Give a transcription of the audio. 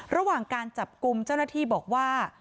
ระหว่างการจับกลุ่มเจ้าหน้าที่บอกว่า